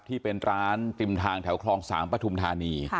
ที่เป็นร้านติมทางแถวคลอง๓ปฐุมธานี